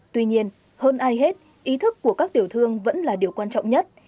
tuy nhiên hơn ai hết ý thức của các tiểu thương vẫn là điều quan trọng nhất